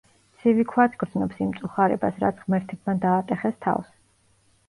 ცივი ქვაც გრძნობს იმ მწუხარებას, რაც ღმერთებმა დაატეხეს თავს.